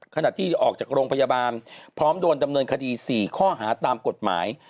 ขณะที่ออกจากโรงพยาบาลพร้อมโดนดำเนินคดี๔ข้อหาตามกฎหมาย